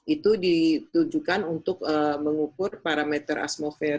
itu ditujukan untuk mengukur parameter atmosfer